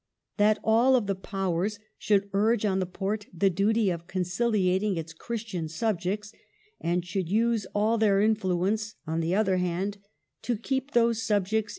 That all the Powers should urge on the Porte the duty of conciliating its Christian subjects, and should use all their in fluence, on the other hand, to keep those subjects to their allegiance.